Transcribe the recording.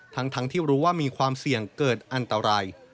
ทั้งที่รู้ว่ามีความเสี่ยงเกิดอันตราย